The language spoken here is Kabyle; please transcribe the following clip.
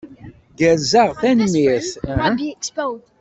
Gerzeɣ, tanemmirt.